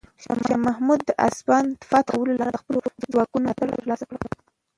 شاه محمود د اصفهان فتح کولو لپاره د خپلو ځواکونو ملاتړ ترلاسه کړ.